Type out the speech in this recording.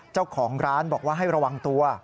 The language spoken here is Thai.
เจ้าของร้านบอกว่าให้ระวังตัว